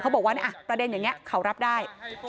บอกว่าประเด็นอย่างนี้เขารับได้